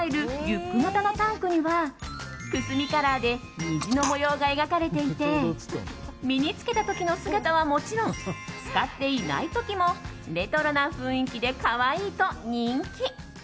リュック型のタンクにはくすみカラーで虹の模様が描かれていて身に着けた時の姿はもちろん使っていない時もレトロな雰囲気で可愛いと人気。